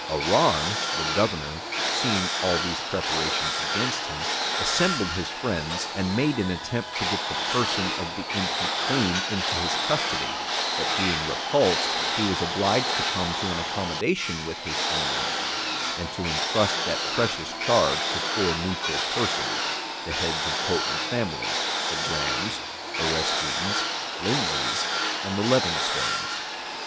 Arran, the governor, seeing all these preparations against him, assembled his friends, and made an attempt to get the person of the infant queen into his custody; but being repulsed, he was obliged to come to an accommodation with his enemies, and to intrust that precious charge to four neutral persons, the heads of potent families, the Grahams, Areskines, Lindseys, and Levingstones.